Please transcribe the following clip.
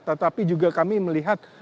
tetapi juga kami melihat